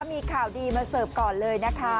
มีข่าวดีมาเสิร์ฟก่อนเลยนะคะ